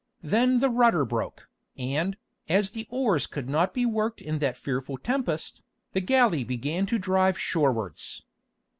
Then the rudder broke, and, as the oars could not be worked in that fearful tempest, the galley began to drive shorewards.